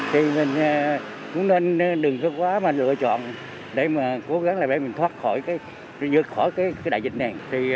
thì mình cũng nên đừng cái quá mà lựa chọn để mà cố gắng là để mình thoát khỏi cái đại dịch này